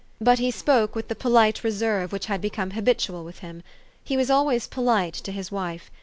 But he spoke with the polite reserve which had become habitual with him. He was always polite to his wife.